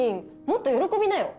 もっと喜びなよ